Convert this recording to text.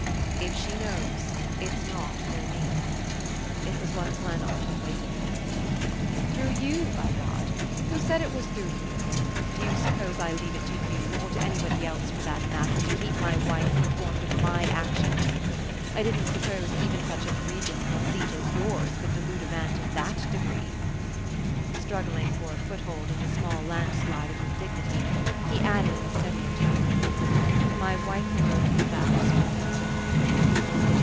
"If she knows, it's not through me." It was what Glennard had waited for. "Through you, by God? Who said it was through you? Do you suppose I leave it to you, or to anybody else, for that matter, to keep my wife informed of my actions? I didn't suppose even such egregious conceit as yours could delude a man to that degree!" Struggling for a foothold in the small landslide of his dignity, he added, in a steadier tone, "My wife learned the facts from me."